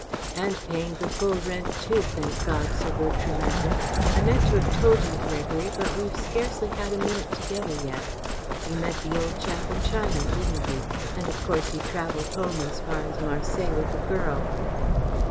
"And paying the full rent, too, thank God!" Sir Bertram added. "I meant to have told you, Gregory, but we've scarcely had a minute together yet. You met the old chap in China, didn't you, and of course you travelled home as far as Marseilles with the girl."